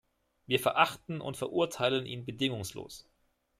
Wir verachten und verurteilen ihn bedingungslos.